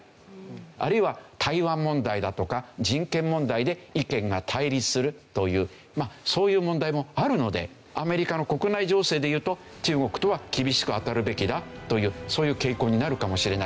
あるいは台湾問題だとか人権問題で意見が対立するというそういう問題もあるのでアメリカの国内情勢でいうと中国とは厳しく当たるべきだというそういう傾向になるかもしれない。